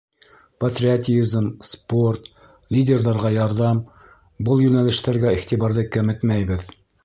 Патриотизм, спорт, лидерҙарға ярҙам — был йүнәлештәргә иғтибарҙы кәметмәйбеҙ.